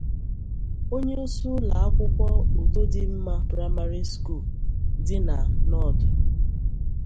onyeisi ụlọakwụkwọ 'Udodimma Primary School' dị na Nodu